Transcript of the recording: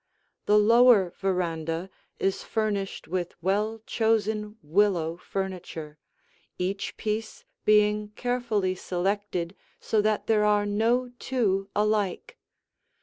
The lower veranda is furnished with well chosen willow furniture, each piece being carefully selected so that there are no two alike.